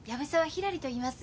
ひらりといいます。